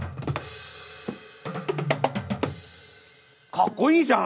かっこいいじゃん！